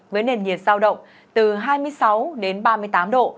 với nền nhiệt sao động từ hai mươi sáu đến ba mươi tám độ